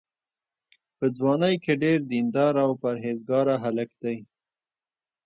په ځوانۍ کې ډېر دینداره او پرهېزګاره هلک دی.